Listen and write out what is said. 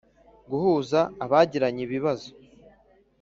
Guhuza abagiranye ibibazo